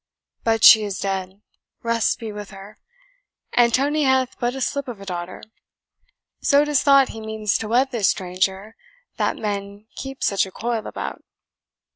But she is dead, rest be with her! and Tony hath but a slip of a daughter; so it is thought he means to wed this stranger, that men keep such a coil about."